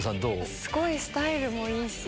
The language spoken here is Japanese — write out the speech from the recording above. すごいスタイルもいいし。